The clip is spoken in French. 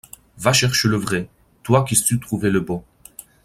Va chercher le vrai, toi qui sus trouver le beau.